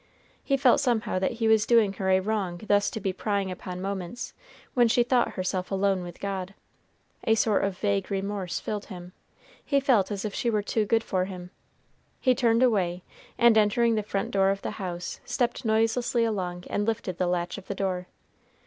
He felt somehow that he was doing her a wrong thus to be prying upon moments when she thought herself alone with God; a sort of vague remorse filled him; he felt as if she were too good for him. He turned away, and entering the front door of the house, stepped noiselessly along and lifted the latch of the door.